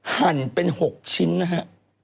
หั่นเป็น๖ชิ้นนะฮะ